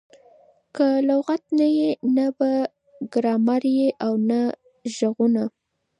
که لغت نه يي؛ نه به ګرامر يي او نه ږغونه.